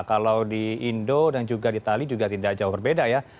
kalau di indo dan juga di itali juga tidak jauh berbeda ya